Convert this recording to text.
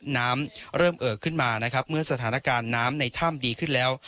น้ำเริ่มเอ่อขึ้นมานะครับเมื่อสถานการณ์น้ำในถ้ำดีขึ้นแล้ว